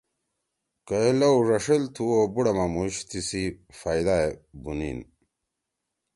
کہ اے لؤ ڙݜیل تھُو او بُوڑا ما موش تِسی فئدا ئے بونیِن۔